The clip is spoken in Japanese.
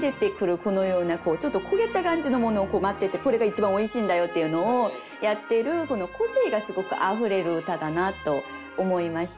このようなちょっと焦げた感じのものを待っててこれが一番おいしいんだよっていうのをやってる個性がすごくあふれる歌だなと思いました。